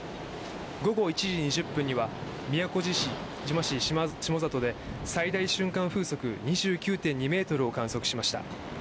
午後１時２０分には宮古島市下里で最大瞬間風速２９．２メートルを観測しました。